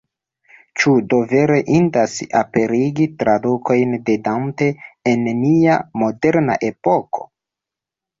Ĉu do vere indas aperigi tradukojn de Dante en nia moderna epoko?